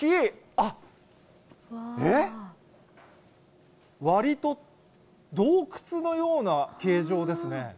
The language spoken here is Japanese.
あっ、えっ、割戸、洞窟のような形状ですね。